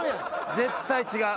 絶対違う。